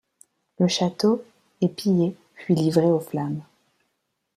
Le château est pillé puis livré aux flammes.